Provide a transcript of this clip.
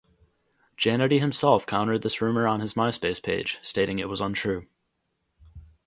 Jannetty himself countered this rumor on his Myspace page, stating it was untrue.